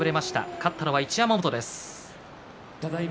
勝ったのは一山本です。